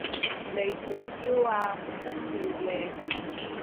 你條腰吖真妙嘅